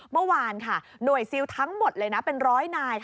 เมื่อวานค่ะหน่วยซิลทั้งหมดเลยนะเป็นร้อยนาย